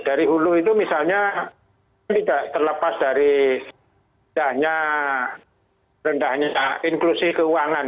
dari hulu itu misalnya tidak terlepas dari rendahnya inklusi keuangan